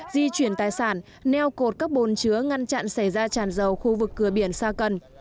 di chuyển tài sản neo cột các bồn chứa ngăn chặn xảy ra tràn dầu khu vực cửa biển sa cần